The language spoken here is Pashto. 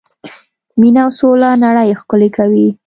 مینه او سوله نړۍ ښکلې کوي.